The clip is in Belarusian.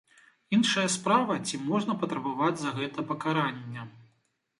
Іншая справа, ці можна патрабаваць за гэта пакарання?